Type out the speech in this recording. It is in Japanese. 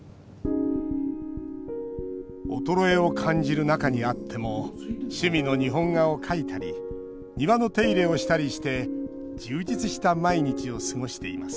衰えを感じる中にあっても趣味の日本画を描いたり庭の手入れをしたりして充実した毎日を過ごしています